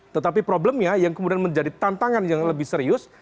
tetapi problemnya yang kemudian menjadi tantangan yang lebih serius